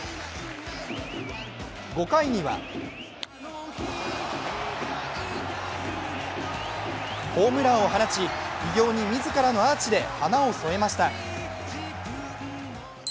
５回にはホームランを放ち、偉業に自らのアーチで花を添えました。